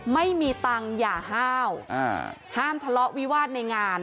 ไม่มีตังค์อย่าห้าวห้ามทะเลาะวิวาสในงาน